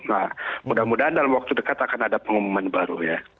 nah mudah mudahan dalam waktu dekat akan ada pengumuman baru ya